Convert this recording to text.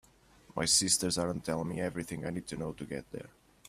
My sisters aren’t telling me everything I need to know to get there.